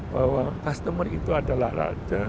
bahwa customer itu adalah raja